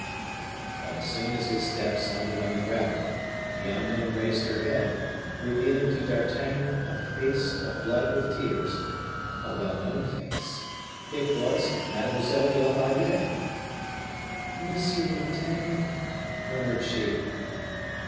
But as soon as his step sounded on the gravel, the unknown raised her head, revealing to D'Artagnan a face aflood with tears, a well known face. It was Mademoiselle de la Valliere! "Monsieur d'Artagnan!" murmured she.